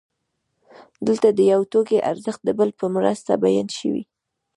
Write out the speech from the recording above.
دلته د یو توکي ارزښت د بل په مرسته بیان شوی